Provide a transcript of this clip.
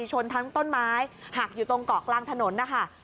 ชนทั้งต้นไม้หักอยู่ตรงเกาะกลางถนนนะคะ